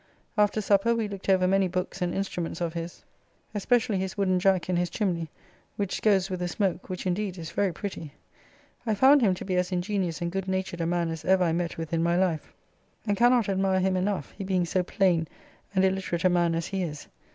After supper we looked over many books, and instruments of his, especially his wooden jack in his chimney, which goes with the smoke, which indeed is very pretty. I found him to be as ingenious and good natured a man as ever I met with in my life, and cannot admire him enough, he being so plain and illiterate a man as he is.